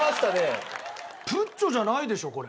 ぷっちょじゃないでしょこれ。